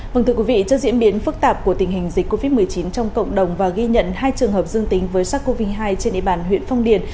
vâng thưa quý vị trước diễn biến phức tạp của tình hình dịch covid một mươi chín trong cộng đồng và ghi nhận hai trường hợp dương tính với sars cov hai trên địa bàn huyện phong điền